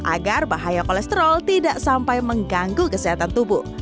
agar bahaya kolesterol tidak sampai mengganggu kesehatan tubuh